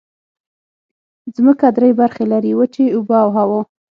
ځمکه درې برخې لري: وچې، اوبه او هوا.